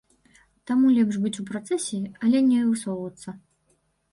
Таму лепш быць у працэсе, але не высоўвацца.